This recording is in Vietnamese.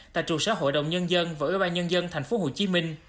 tại trụ sở hội đồng nhân dân và ủy ban nhân dân tp hcm